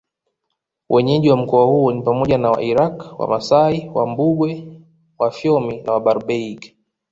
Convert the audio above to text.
Wenyeji wa mkoa huu ni pamoja na Wairaqw Wamasai Wambugwe Wafyomi na Wabarbaig